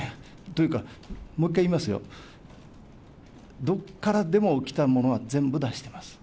というか、もう一回言いますよ、どこからでも、来たものは全部出してます。